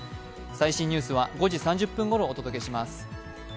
最新ニュースは５時３０分ごろお届けします。